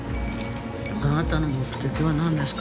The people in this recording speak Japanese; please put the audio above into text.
あなたの目的はなんですか？